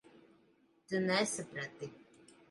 Tu nesaprati.